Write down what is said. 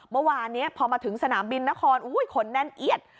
เมื่อวานนี้พอมาถึงสนามบินนครคนแน่นเอียด